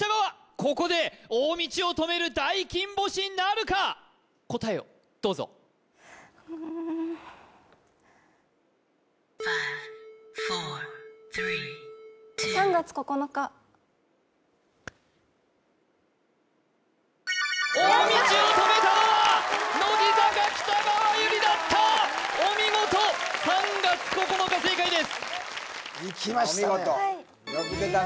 ここで大道を止める大金星なるか答えをどうぞ大道を止めたのは乃木坂北川悠理だったお見事「３月９日」正解ですいきましたね